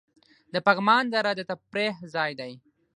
د پغمان دره د تفریح ځای دی